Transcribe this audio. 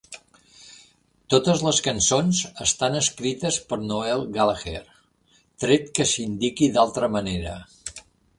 Totes les cançons estan escrites per Noel Gallagher, tret que s'indiqui d'altra manera.